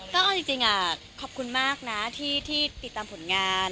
ก็เอาจริงขอบคุณมากนะที่ติดตามผลงาน